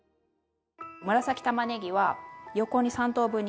紫たまねぎは横に３等分に切っています。